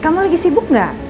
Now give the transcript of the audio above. kamu lagi sibuk gak